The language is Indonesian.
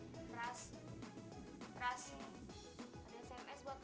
guru harap ujayak